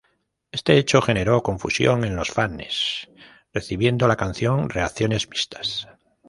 Este hecho generó confusión en los fanes, recibiendo la canción reacciones mixtas.